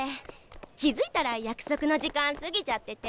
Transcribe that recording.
気づいたら約束の時間過ぎちゃってて。